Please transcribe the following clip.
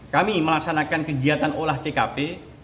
kami melaksanakan kegiatan olah tkp